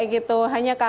jadi nggak full kayak gitu